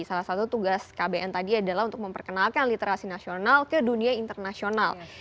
salah satu tugas kbn tadi adalah untuk memperkenalkan literasi nasional ke dunia internasional